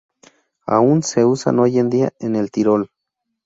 Aún se usan hoy en día en el Tirol.